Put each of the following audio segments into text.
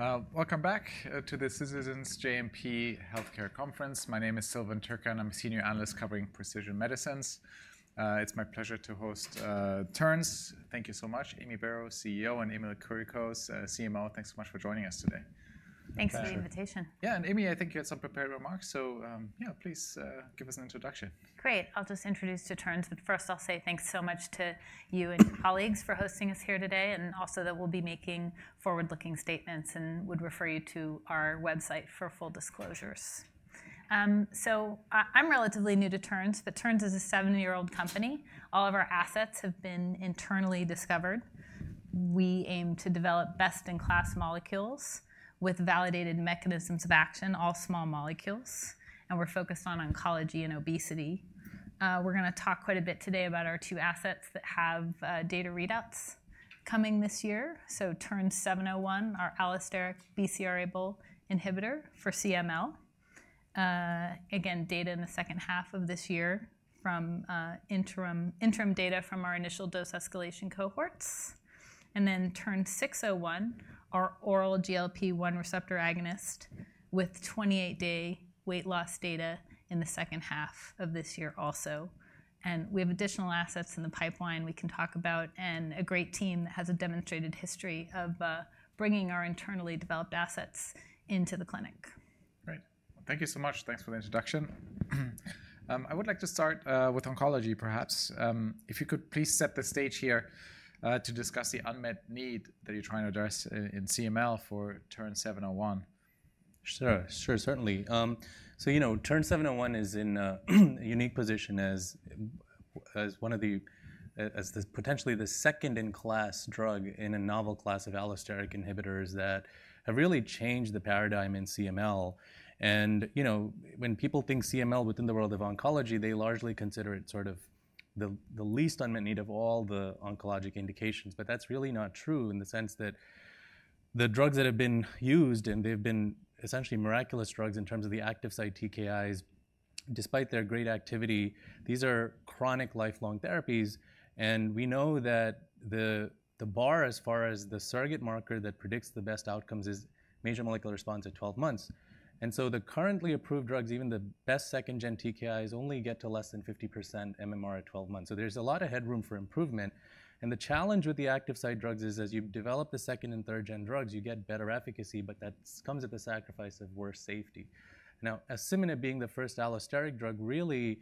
All right. Welcome back to the Citizens JMP Healthcare Conference. My name is Silvan Tuerkcan, I'm a senior analyst covering precision medicines. It's my pleasure to host Terns. Thank you so much, Amy Burroughs, CEO, and Emil Kuriakose, CMO. Thanks so much for joining us today. Thanks for the invitation. Yeah, and Amy, I think you had some prepared remarks, so yeah, please give us an introduction. Great. I'll just introduce to Terns, but first I'll say thanks so much to you and your colleagues for hosting us here today, and also that we'll be making forward-looking statements and would refer you to our website for full disclosures. So I'm relatively new to Terns, but Terns is a seven-year-old company. All of our assets have been internally discovered. We aim to develop best-in-class molecules with validated mechanisms of action, all small molecules, and we're focused on oncology and obesity. We're going to talk quite a bit today about our two assets that have data readouts coming this year. So TERN-701, our allosteric BCR-ABL inhibitor for CML. Again, data in the second half of this year from interim data from our initial dose escalation cohorts. And then TERN-601, our oral GLP-1 receptor agonist with 28-day weight loss data in the second half of this year also. We have additional assets in the pipeline we can talk about, and a great team that has a demonstrated history of bringing our internally developed assets into the clinic. Great. Thank you so much. Thanks for the introduction. I would like to start with oncology, perhaps. If you could please set the stage here to discuss the unmet need that you're trying to address in CML for TERN-701. Sure, certainly. So you know, TERN-701 is in a unique position as one of the, potentially the second-in-class drug in a novel class of allosteric inhibitors that have really changed the paradigm in CML. And you know, when people think CML within the world of oncology, they largely consider it sort of the least unmet need of all the oncologic indications. But that's really not true in the sense that the drugs that have been used and they've been essentially miraculous drugs in terms of the active site TKIs, despite their great activity, these are chronic lifelong therapies. And we know that the bar as far as the surrogate marker that predicts the best outcomes is major molecular response at 12 months. And so the currently approved drugs, even the best second-gen TKIs, only get to less than 50% MMR at 12 months. So there's a lot of headroom for improvement. The challenge with the active site drugs is as you develop the second and third-gen drugs, you get better efficacy, but that comes at the sacrifice of worse safety. Now, as asciminib being the first allosteric drug, really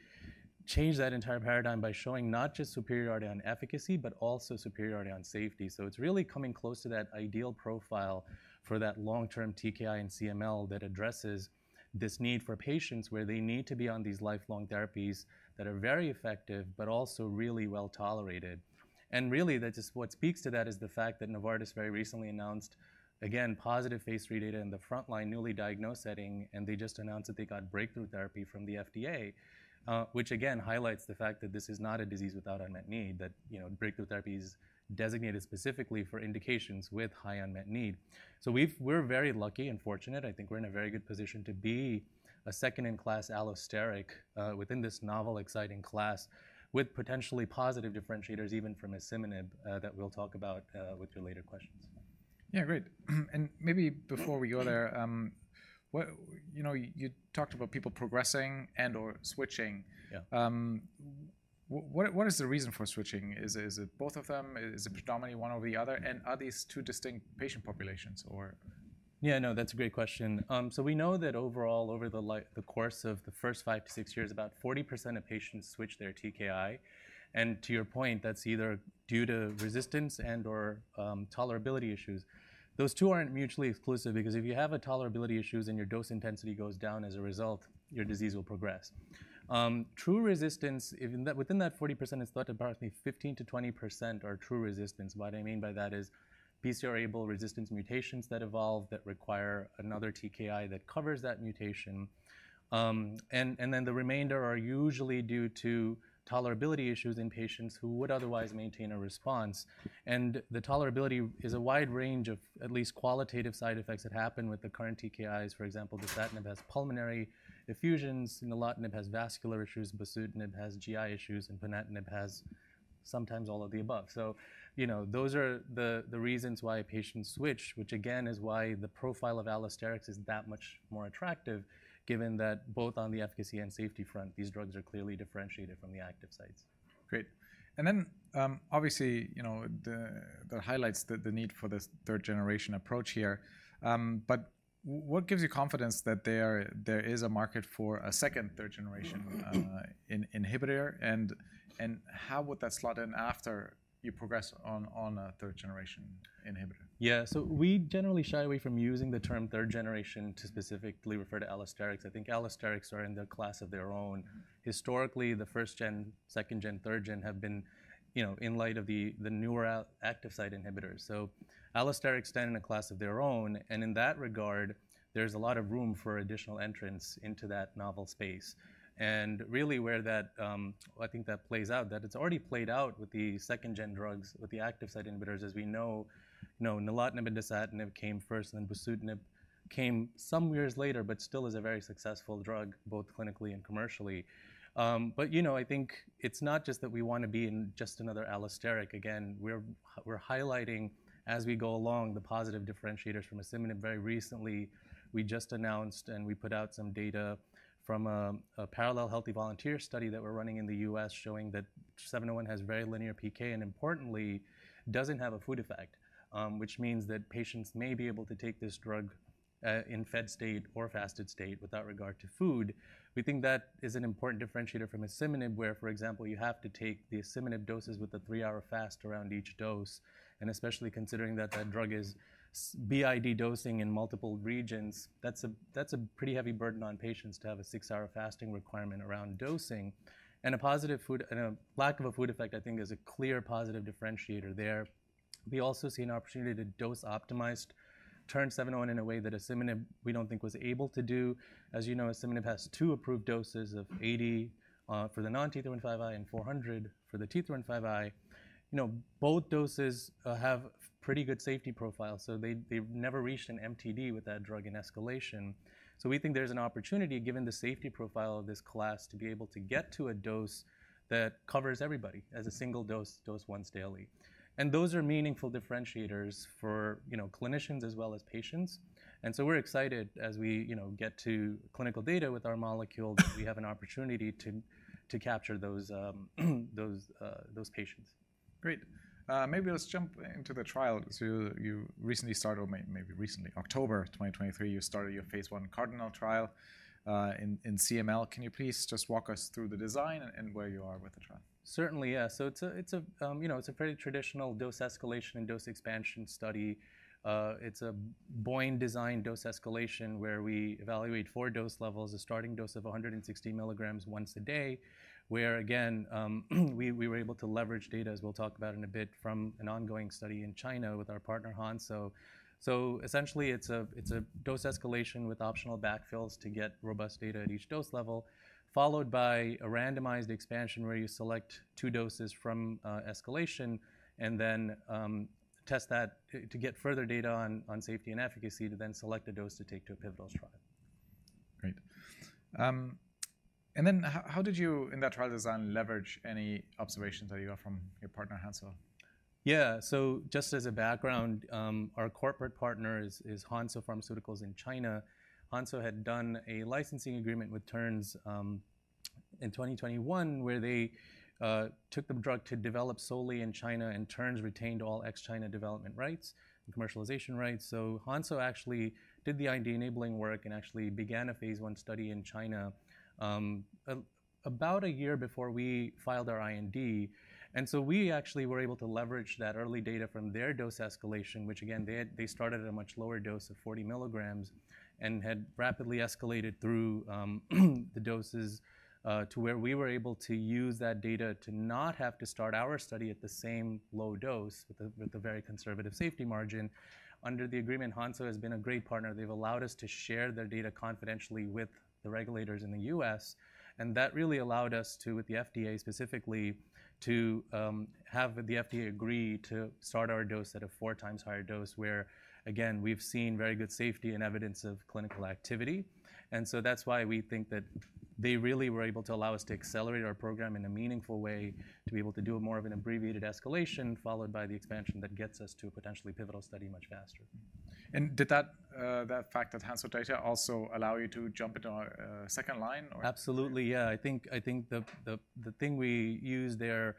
changed that entire paradigm by showing not just superiority on efficacy, but also superiority on safety. So it's really coming close to that ideal profile for that long-term TKI in CML that addresses this need for patients where they need to be on these lifelong therapies that are very effective, but also really well tolerated. Really, that's just what speaks to that is the fact that Novartis very recently announced, again, positive Phase III data in the frontline newly diagnosed setting, and they just announced that they got breakthrough therapy from the FDA, which again highlights the fact that this is not a disease without unmet need, that breakthrough therapy is designated specifically for indications with high unmet need. So we're very lucky and fortunate. I think we're in a very good position to be a second-in-class allosteric within this novel exciting class with potentially positive differentiators even from Scemblix that we'll talk about with your later questions. Yeah, great. Maybe before we go there, you talked about people progressing and/or switching. What is the reason for switching? Is it both of them? Is it predominantly one over the other? And are these two distinct patient populations, or? Yeah, no, that's a great question. So we know that overall, over the course of the first five to six years, about 40% of patients switch their TKI. And to your point, that's either due to resistance and/or tolerability issues. Those two aren't mutually exclusive because if you have tolerability issues and your dose intensity goes down as a result, your disease will progress. True resistance, within that 40%, it's thought to be approximately 15%-20% are true resistance. What I mean by that is BCR-ABL resistance mutations that evolve that require another TKI that covers that mutation. And then the remainder are usually due to tolerability issues in patients who would otherwise maintain a response. And the tolerability is a wide range of at least qualitative side effects that happen with the current TKIs. For example, dasatinib has pulmonary effusions. Nilotinib has vascular issues. Bosutinib has GI issues. Ponatinib has sometimes all of the above. So those are the reasons why patients switch, which again is why the profile of allosterics is that much more attractive given that both on the efficacy and safety front, these drugs are clearly differentiated from the active sites. Great. And then obviously, that highlights the need for this third-generation approach here. But what gives you confidence that there is a market for a second third-generation inhibitor? And how would that slot in after you progress on a third-generation inhibitor? Yeah, so we generally shy away from using the term third generation to specifically refer to allosterics. I think allosterics are in their class of their own. Historically, the first-gen, second-gen, third-gen have been in light of the newer active site inhibitors. So allosterics stand in a class of their own. And in that regard, there's a lot of room for additional entrance into that novel space. And really where that I think that plays out, that it's already played out with the second-gen drugs, with the active site inhibitors, as we know. Nilotinib and dasatinib came first, and then bosutinib came some years later, but still is a very successful drug both clinically and commercially. But I think it's not just that we want to be in just another allosteric. Again, we're highlighting as we go along the positive differentiators from asciminib. Very recently, we just announced and we put out some data from a parallel healthy volunteer study that we're running in the U.S. showing that 701 has very linear PK and importantly doesn't have a food effect, which means that patients may be able to take this drug in fed state or fasted state without regard to food. We think that is an important differentiator from asciminib where, for example, you have to take the asciminib doses with a three-hour fast around each dose. And especially considering that that drug is BID dosing in multiple regions, that's a pretty heavy burden on patients to have a six-hour fasting requirement around dosing. And a positive food and a lack of a food effect, I think, is a clear positive differentiator there. We also see an opportunity to dose optimized TERN-701 in a way that asciminib we don't think was able to do. As you know, asciminib has two approved doses of 80 for the non-T315I and 400 for the T315I. Both doses have pretty good safety profiles. So they've never reached an MTD with that drug in escalation. So we think there's an opportunity given the safety profile of this class to be able to get to a dose that covers everybody as a single dose, dose once daily. And those are meaningful differentiators for clinicians as well as patients. And so we're excited as we get to clinical data with our molecule that we have an opportunity to capture those patients. Great. Maybe let's jump into the trial. So you recently started or maybe recently, October 2023, you started your Phase I Cardinal trial in CML. Can you please just walk us through the design and where you are with the trial? Certainly, yeah. So it's a pretty traditional dose escalation and dose expansion study. It's a BOIN designed dose escalation where we evaluate four dose levels, a starting dose of 160 milligrams once a day, where again, we were able to leverage data, as we'll talk about in a bit, from an ongoing study in China with our partner Hansoh. So essentially, it's a dose escalation with optional backfills to get robust data at each dose level, followed by a randomized expansion where you select two doses from escalation and then test that to get further data on safety and efficacy to then select a dose to take to a pivotal trial. Great. And then how did you, in that trial design, leverage any observations that you got from your partner Hansoh? Yeah, so just as a background, our corporate partner is Hansoh Pharmaceuticals in China. Hansoh had done a licensing agreement with Terns in 2021 where they took the drug to develop solely in China, and Terns retained all ex-China development rights and commercialization rights. So Hansoh actually did the IND enabling work and actually began a Phase I study in China about a year before we filed our IND. And so we actually were able to leverage that early data from their dose escalation, which again, they started at a much lower dose of 40 milligrams and had rapidly escalated through the doses to where we were able to use that data to not have to start our study at the same low dose with a very conservative safety margin. Under the agreement, Hansoh has been a great partner. They've allowed us to share their data confidentially with the regulators in the U.S. That really allowed us to, with the FDA specifically, to have the FDA agree to start our dose at a four times higher dose where, again, we've seen very good safety and evidence of clinical activity. So that's why we think that they really were able to allow us to accelerate our program in a meaningful way, to be able to do more of an abbreviated escalation followed by the expansion that gets us to a potentially pivotal study much faster. Did the fact that Hansoh data also allow you to jump into a second line, or? Absolutely, yeah. I think the thing we used there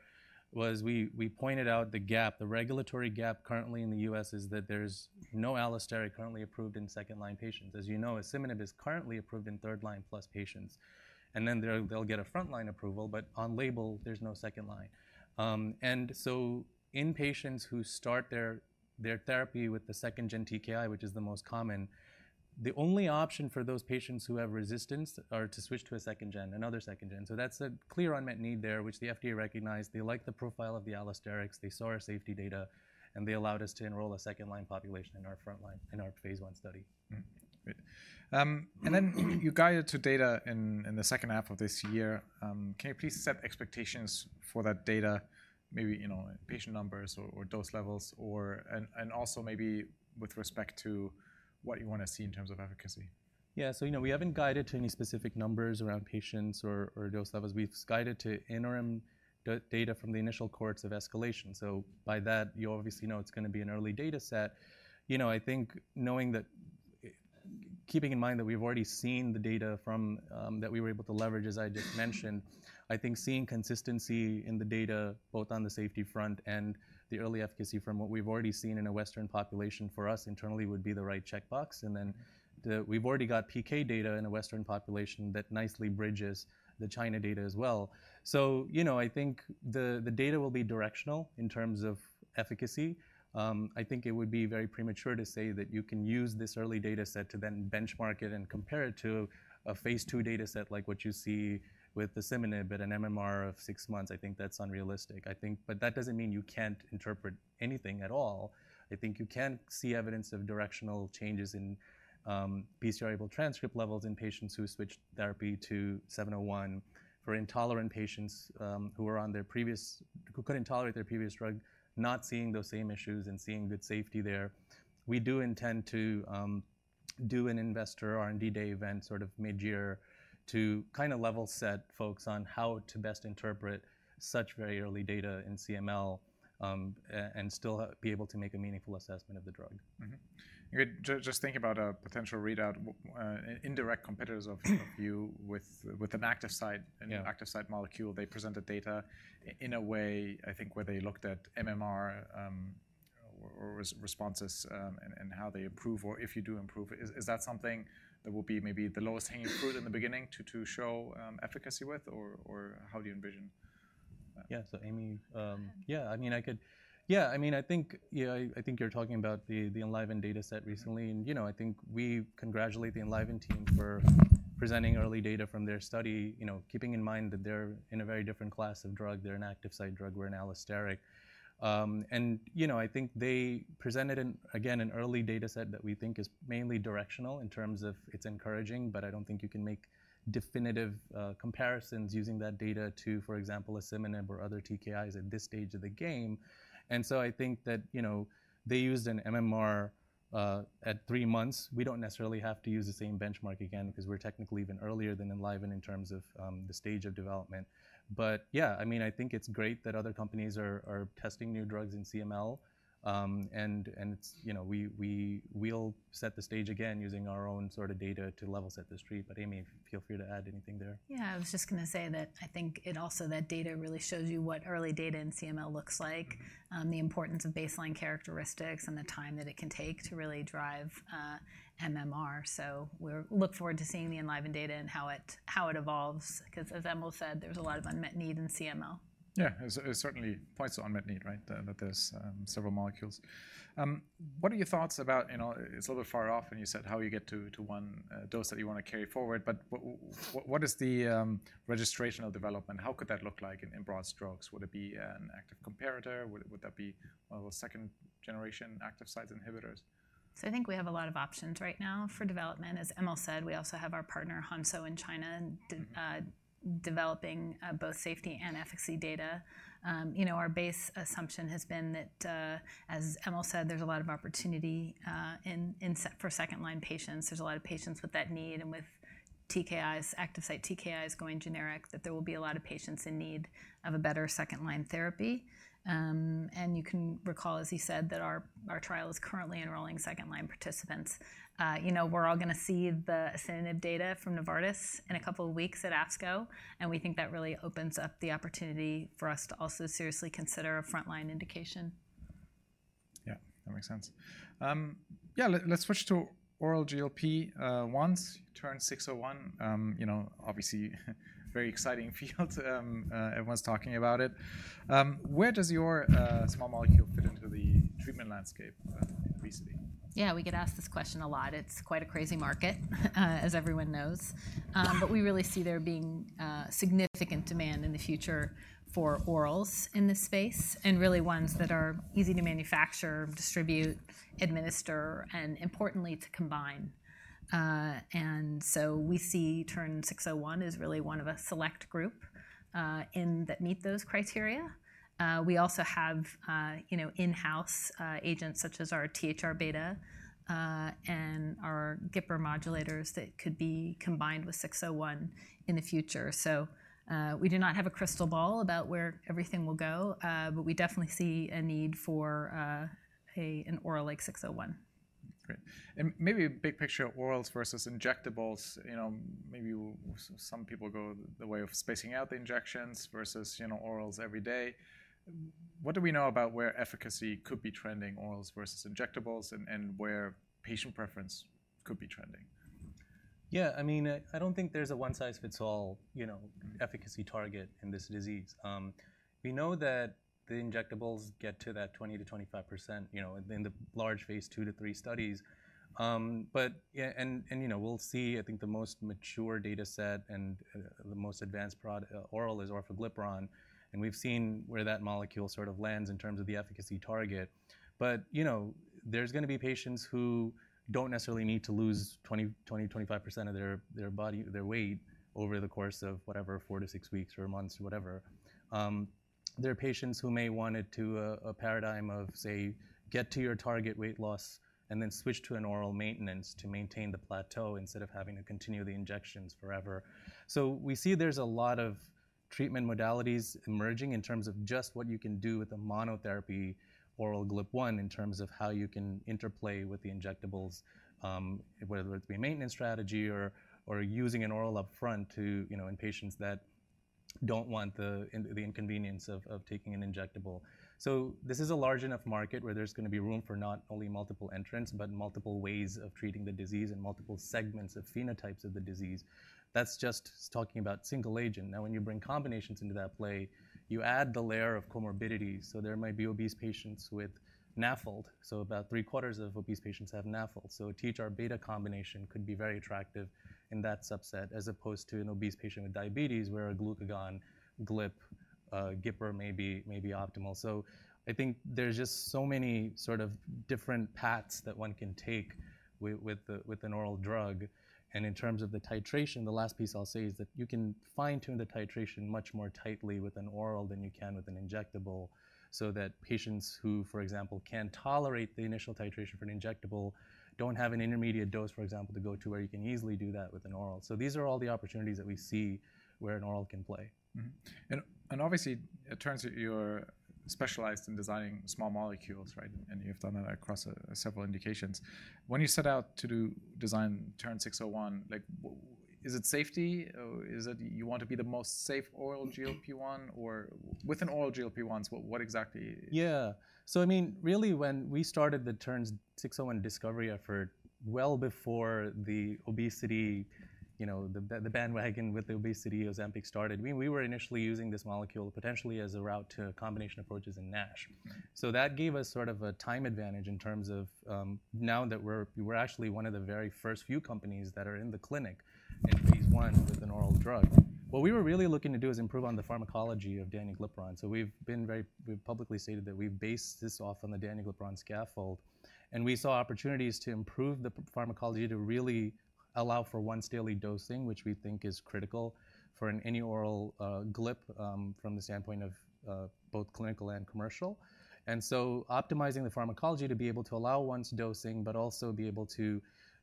was we pointed out the gap, the regulatory gap currently in the U.S. is that there's no allosteric currently approved in second-line patients. As you know, asciminib is currently approved in third-line plus patients. And then they'll get a frontline approval, but on label, there's no second line. And so in patients who start their therapy with the second-gen TKI, which is the most common, the only option for those patients who have resistance is to switch to a second-gen, another second-gen. So that's a clear unmet need there, which the FDA recognized. They liked the profile of the allosterics. They saw our safety data. And they allowed us to enroll a second-line population in our frontline, in our Phase I study. Great. And then you guided to data in the second half of this year. Can you please set expectations for that data, maybe patient numbers or dose levels, and also maybe with respect to what you want to see in terms of efficacy? Yeah, so we haven't guided to any specific numbers around patients or dose levels. We've guided to interim data from the initial cohorts of escalation. So by that, you obviously know it's going to be an early data set. I think knowing that keeping in mind that we've already seen the data that we were able to leverage, as I just mentioned, I think seeing consistency in the data both on the safety front and the early efficacy from what we've already seen in a Western population for us internally would be the right checkbox. And then we've already got PK data in a Western population that nicely bridges the China data as well. So I think the data will be directional in terms of efficacy. I think it would be very premature to say that you can use this early data set to then benchmark it and compare it to Phase II data set like what you see with the Scemblix but an MMR of six months. I think that's unrealistic. But that doesn't mean you can't interpret anything at all. I think you can see evidence of directional changes in BCR-ABL transcript levels in patients who switched therapy to 701. For intolerant patients who are on their previous who couldn't tolerate their previous drug, not seeing those same issues and seeing good safety there, we do intend to do an investor R&D day event, sort of mid-year, to kind of level set folks on how to best interpret such very early data in CML and still be able to make a meaningful assessment of the drug. Just thinking about a potential readout, indirect competitors of you with an active site and active site molecule, they presented data in a way, I think, where they looked at MMR responses and how they improve or if you do improve. Is that something that will be maybe the lowest hanging fruit in the beginning to show efficacy with, or how do you envision? Yeah, so Amy, yeah, I mean, I think you're talking about the Enliven data set recently. And I think we congratulate the Enliven team for presenting early data from their study, keeping in mind that they're in a very different class of drug. They're an active site drug. We're an allosteric. And I think they presented, again, an early data set that we think is mainly directional in terms of it's encouraging. But I don't think you can make definitive comparisons using that data to, for example, asciminib or other TKIs at this stage of the game. And so I think that they used an MMR at three months. We don't necessarily have to use the same benchmark again because we're technically even earlier than Enliven in terms of the stage of development. But yeah, I mean, I think it's great that other companies are testing new drugs in CML. And we'll set the stage again using our own sort of data to level set this tree. But Amy, feel free to add anything there. Yeah, I was just going to say that I think it also, that data really shows you what early data in CML looks like, the importance of baseline characteristics, and the time that it can take to really drive MMR. So we look forward to seeing the Enliven data and how it evolves because, as Emil said, there's a lot of unmet need in CML. Yeah, there's certainly quite some unmet need, right, that there's several molecules. What are your thoughts about it? It's a little bit far off, and you said how you get to one dose that you want to carry forward. But what is the registration of development? How could that look like in broad strokes? Would it be an active comparator? Would that be second-generation active site inhibitors? So I think we have a lot of options right now for development. As Emil said, we also have our partner Hansoh in China developing both safety and efficacy data. Our base assumption has been that, as Emil said, there's a lot of opportunity for second-line patients. There's a lot of patients with that need. And with active site TKIs going generic, that there will be a lot of patients in need of a better second-line therapy. And you can recall, as you said, that our trial is currently enrolling second-line participants. We're all going to see the asciminib data from Novartis in a couple of weeks at ASCO. And we think that really opens up the opportunity for us to also seriously consider a frontline indication. Yeah, that makes sense. Yeah, let's switch to oral GLP-1s, TERN-601. Obviously, very exciting field. Everyone's talking about it. Where does your small molecule fit into the treatment landscape in obesity? Yeah, we get asked this question a lot. It's quite a crazy market, as everyone knows. But we really see there being significant demand in the future for orals in this space and really ones that are easy to manufacture, distribute, administer, and importantly, to combine. And so we see TERN-601 is really one of a select group that meets those criteria. We also have in-house agents such as our THR-beta and our GIPR modulators that could be combined with 601 in the future. So we do not have a crystal ball about where everything will go. But we definitely see a need for an oral like 601. Great. Maybe a big picture of orals versus injectables. Maybe some people go the way of spacing out the injections versus orals every day. What do we know about where efficacy could be trending, orals versus injectables, and where patient preference could be trending? Yeah, I mean, I don't think there's a one-size-fits-all efficacy target in this disease. We know that the injectables get to that 20%-25% in the large Phase III-Phase III studies. And we'll see, I think, the most mature data set and the most advanced oral is orforglipron. And we've seen where that molecule sort of lands in terms of the efficacy target. But there's going to be patients who don't necessarily need to lose 20%-25% of their weight over the course of whatever, four to six weeks or months or whatever. There are patients who may want it to a paradigm of, say, get to your target weight loss and then switch to an oral maintenance to maintain the plateau instead of having to continue the injections forever. So we see there's a lot of treatment modalities emerging in terms of just what you can do with a monotherapy oral GLP-1 in terms of how you can interplay with the injectables, whether it be a maintenance strategy or using an oral up front in patients that don't want the inconvenience of taking an injectable. So this is a large enough market where there's going to be room for not only multiple entrance but multiple ways of treating the disease and multiple segments of phenotypes of the disease. That's just talking about single agent. Now, when you bring combinations into that play, you add the layer of comorbidities. So there might be obese patients with NAFLD. So about three quarters of obese patients have NAFLD. A THR-beta combination could be very attractive in that subset as opposed to an obese patient with diabetes where a glucagon GLP GIPR may be optimal. I think there's just so many sort of different paths that one can take with an oral drug. In terms of the titration, the last piece I'll say is that you can fine-tune the titration much more tightly with an oral than you can with an injectable so that patients who, for example, can tolerate the initial titration for an injectable don't have an intermediate dose, for example, to go to where you can easily do that with an oral. These are all the opportunities that we see where an oral can play. Obviously, Terns, you're specialized in designing small molecules, right? You've done that across several indications. When you set out to design TERN-601, is it safety? Is it you want to be the most safe oral GLP-1? Or with an oral GLP-1, what exactly? Yeah, so I mean, really, when we started the TERN-601 discovery effort well before the bandwagon with the obesity Ozempic started, we were initially using this molecule potentially as a route to combination approaches in NASH. So that gave us sort of a time advantage in terms of now that we're actually one of the very first few companies that are in the clinic in Phase I with an oral drug. What we were really looking to do is improve on the pharmacology of danuglipron. So we've publicly stated that we've based this off on the danuglipron scaffold. And we saw opportunities to improve the pharmacology to really allow for once-daily dosing, which we think is critical for any oral GLP from the standpoint of both clinical and commercial. And so optimizing the pharmacology to be able to allow once dosing but also be able to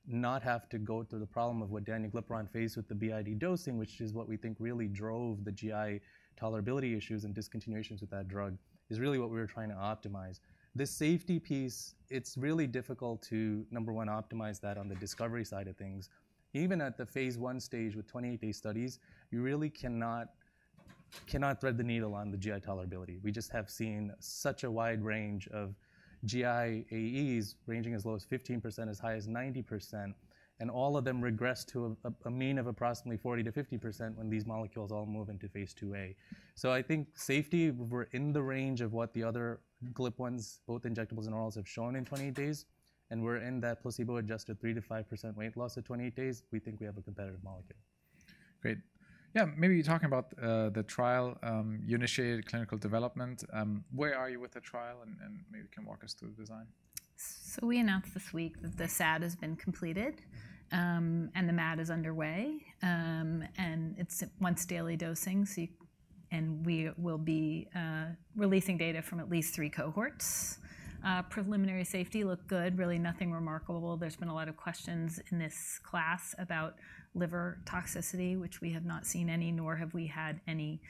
not have to go through the problem of what danuglipron faced with the BID dosing, which is what we think really drove the GI tolerability issues and discontinuations with that drug, is really what we were trying to optimize. This safety piece, it's really difficult to, number one, optimize that on the discovery side of things. Even at the Phase I stage with 28-day studies, you really cannot thread the needle on the GI tolerability. We just have seen such a wide range of GI AEs ranging as low as 15%, as high as 90%. And all of them regress to a mean of approximately 40%-50% when these molecules all move into Phase IIA. I think safety, we're in the range of what the other GLP-1s, both injectables and orals, have shown in 28 days. We're in that placebo-adjusted 3%-5% weight loss at 28 days. We think we have a competitive molecule. Great. Yeah, maybe talking about the trial, you initiated clinical development. Where are you with the trial? And maybe you can walk us through the design. We announced this week that the SAD has been completed. The MAD is underway. It's once-daily dosing. We will be releasing data from at least three cohorts. Preliminary safety looked good, really nothing remarkable. There's been a lot of questions in this class about liver toxicity, which we have not seen any, nor have we had any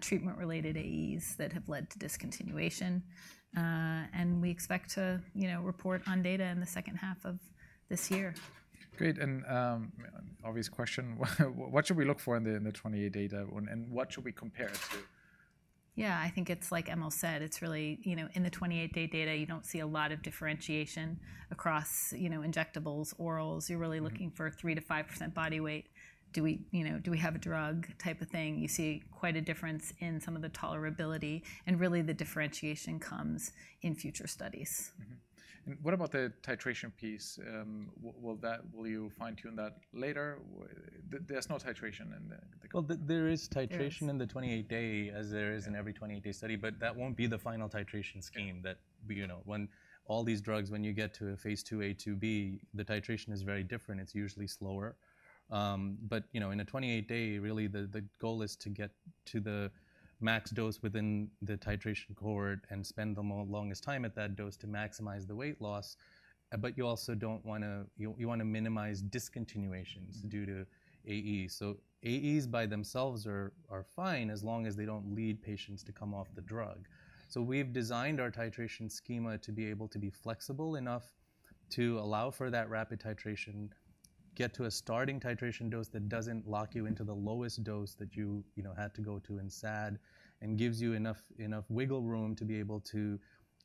treatment-related AEs that have led to discontinuation. We expect to report on data in the second half of this year. Great. An obvious question, what should we look for in the 28-day data? And what should we compare it to? Yeah, I think it's like Emil said. It's really in the 28-day data, you don't see a lot of differentiation across injectables, orals. You're really looking for 3%-5% body weight. Do we have a drug type of thing? You see quite a difference in some of the tolerability. And really, the differentiation comes in future studies. What about the titration piece? Will you fine-tune that later? There's no titration in the. Well, there is titration in the 28-day as there is in every 28-day study. But that won't be the final titration scheme. All these drugs, when you get to a Phase IIA, Phase IIB, the titration is very different. It's usually slower. But in a 28-day, really, the goal is to get to the max dose within the titration cohort and spend the longest time at that dose to maximize the weight loss. But you also don't want to minimize discontinuations due to AE. So AEs by themselves are fine as long as they don't lead patients to come off the drug. So we've designed our titration schema to be able to be flexible enough to allow for that rapid titration, get to a starting titration dose that doesn't lock you into the lowest dose that you had to go to in SAD, and gives you enough wiggle room to be able to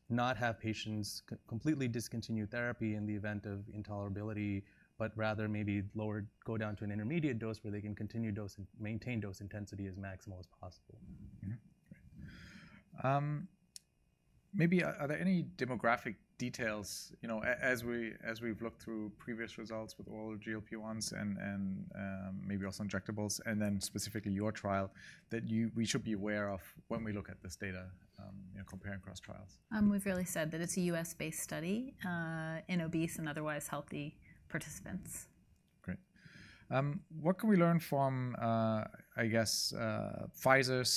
not have patients completely discontinue therapy in the event of intolerability but rather maybe go down to an intermediate dose where they can continue dose and maintain dose intensity as maximal as possible. Great. Maybe are there any demographic details, as we've looked through previous results with oral GLP-1s and maybe also injectables, and then specifically your trial, that we should be aware of when we look at this data comparing cross-trials? We've really said that it's a US-based study in obese and otherwise healthy participants. Great. What can we learn from, I guess, Pfizer's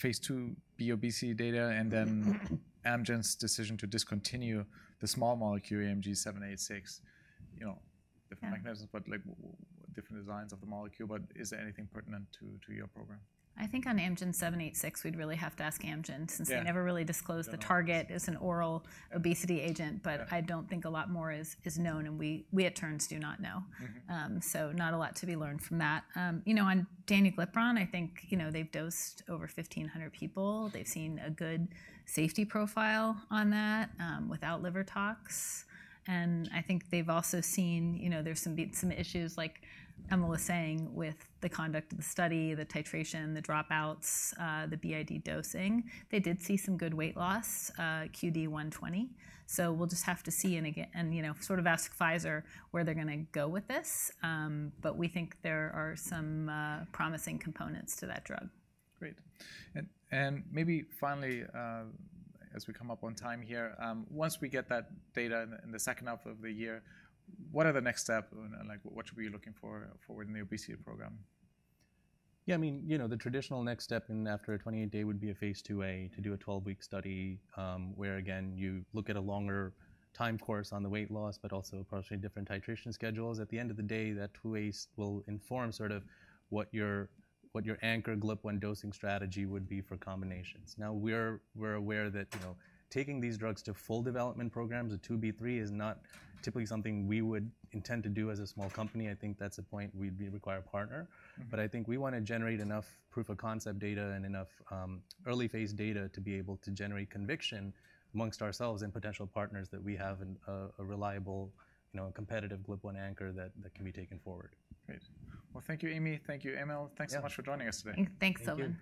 Phase II BOBC data and then Amgen's decision to discontinue the small molecule AMG 786? Different mechanisms but different designs of the molecule. But is there anything pertinent to your program? I think on AMG 786, we'd really have to ask Amgen since they never really disclosed the target is an oral obesity agent. But I don't think a lot more is known. And we at Terns do not know. So not a lot to be learned from that. On danuglipron, I think they've dosed over 1,500 people. They've seen a good safety profile on that without liver tox. And I think they've also seen there's some issues, like Emil was saying, with the conduct of the study, the titration, the dropouts, the BID dosing. They did see some good weight loss, QD120. So we'll just have to see and sort of ask Pfizer where they're going to go with this. But we think there are some promising components to that drug. Great. And maybe finally, as we come up on time here, once we get that data in the second half of the year, what are the next steps? What should we be looking for in the obesity program? Yeah, I mean, the traditional next step after a 28-day would be a Phase IIA to do a 12-week study where, again, you look at a longer time course on the weight loss but also approximately different titration schedules. At the end of the day, that Phase IIA will inform sort of what your anchor GLP-1 dosing strategy would be for combinations. Now, we're aware that taking these drugs to full development programs at 2B3 is not typically something we would intend to do as a small company. I think that's a point we'd require a partner. But I think we want to generate enough proof of concept data and enough early-phase data to be able to generate conviction amongst ourselves and potential partners that we have a reliable, competitive GLP-1 anchor that can be taken forward. Great. Well, thank you, Amy. Thank you, Emil. Thanks so much for joining us today. Thanks, Simon.